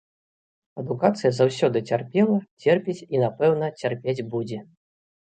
Адукацыя заўсёды цярпела, церпіць і, напэўна, цярпець будзе.